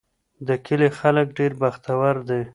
د کلي خلک ډېر بختور دي.